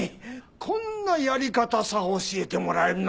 こんなやり方さ教えてもらえるなんて